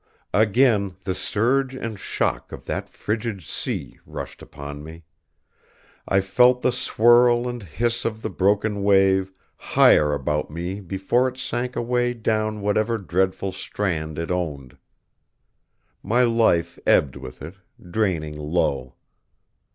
Again the surge and shock of that frigid sea rushed upon me. I felt the swirl and hiss of the broken wave higher about me before it sank away down whatever dreadful strand it owned. My life ebbed with it, draining low.